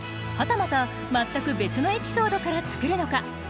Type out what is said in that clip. はたまた全く別のエピソードから作るのか。